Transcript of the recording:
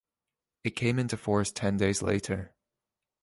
It came into force ten days later.